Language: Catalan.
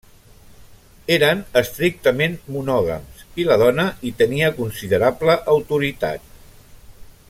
Eren estrictament monògams, i la dona hi tenia considerable autoritat.